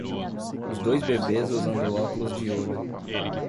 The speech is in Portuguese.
os dois bebês usando óculos de olho